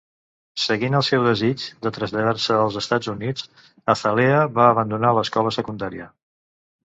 Seguint el seu desig de traslladar-se als Estats Units, Azalea va abandonar l'escola secundària.